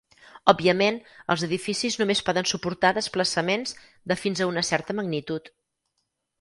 Òbviament, els edificis només poden suportar desplaçaments de fins a una certa magnitud.